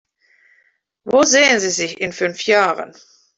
Wo sehen Sie sich in fünf Jahren?